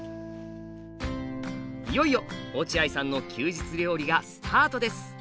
いよいよ落合さんの休日料理がスタートです。